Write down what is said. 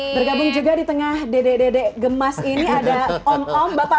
bergabung juga di tengah dede dede gemas ini ada om om bapak